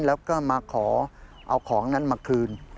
แล้วก็มาขอเอาของนั้นมาคืน